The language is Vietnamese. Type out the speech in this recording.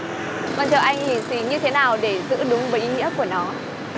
bây giờ anh lì xì như thế nào để giữ đúng với ý nghĩa của nó